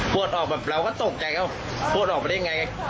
พวดออกแบบเราก็ตกใจเขาพวดออกไปได้ยังไง